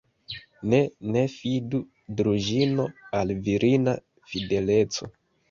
Ne, ne fidu, Druĵino, al virina fideleco!